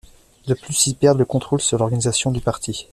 De plus, ils perdent le contrôle sur l'organisation du parti.